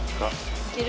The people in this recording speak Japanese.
いける？